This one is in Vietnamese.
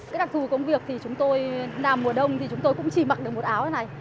cái đặc thù của công việc thì chúng tôi làm mùa đông thì chúng tôi cũng chỉ mặc được một áo như thế này